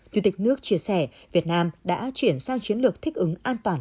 chủ tịch nước chia sẻ việt nam đã chuyển sang chiến lược thích ứng an toàn